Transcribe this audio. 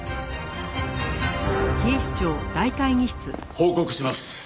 報告します。